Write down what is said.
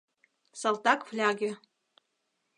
Салтак фляге.